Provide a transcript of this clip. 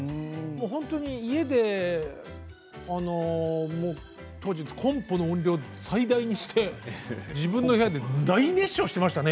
本当に家でコンポの音量を最大にして自分の部屋で大熱唱していましたね。